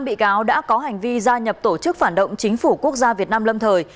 năm bị cáo đã có hành vi gia nhập tổ chức phản động chính phủ quốc gia việt nam lâm thời